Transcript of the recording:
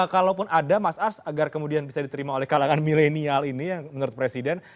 kalaupun ada mas ars agar kemudian bisa diterima oleh kalangan milenial ini yang menurut presiden